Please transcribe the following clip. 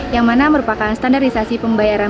yang mana merupakan standarisasi pembayaran